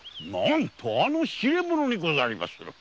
何とあの痴れ者めにございます。